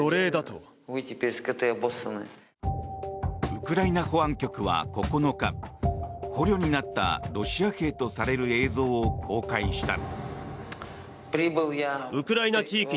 ウクライナ保安局は９日捕虜になったロシア兵とされる映像を公開した。